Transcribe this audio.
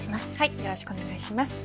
よろしくお願いします。